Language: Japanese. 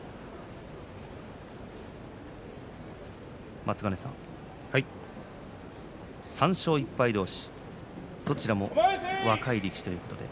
松ヶ根さん、３勝１敗同士どちらも若い力士ということです。